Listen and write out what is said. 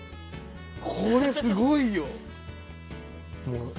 これすごいよ！